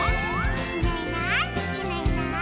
「いないいないいないいない」